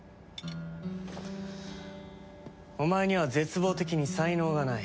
お前には絶望的に才能がない。